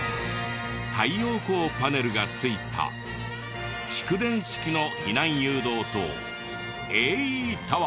太陽光パネルが付いた蓄電式の避難誘導塔ＡＥ−ＴＯＷＥＲ。